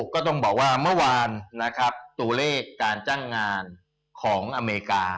ก็ต้องบอกว่าเมื่อวานนะครับตัวเลขการจ้างงานของอเมริกา